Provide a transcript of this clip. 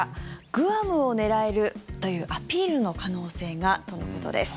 グアムを狙えるというアピールの可能性がとのことです。